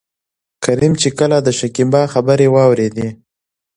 کريم چې کله دشکيبا خبرې واورېدې.